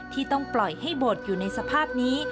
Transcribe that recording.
ที่ต้องปล่อยให้โบสถ์อยู่ในสภาพนี้